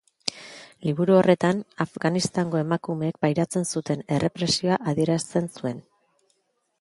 Liburu horretan Afganistango emakumeek pairatzen zuten errepresioa adierazten zuen.